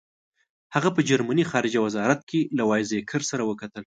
هغه په جرمني خارجه وزارت کې له وایزیکر سره وکتل.